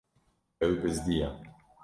Ew bizdiya.